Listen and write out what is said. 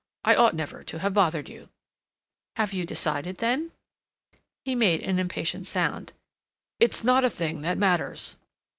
I ought never to have bothered you—" "Have you decided, then?" He made an impatient sound. "It's not a thing that matters."